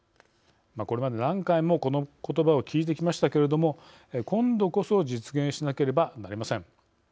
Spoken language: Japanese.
これまで何回もこのことばを聞いてきましたけれども今度こそ実現しなければなりません。